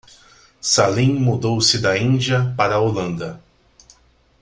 Salim mudou-se da Índia para a Holanda.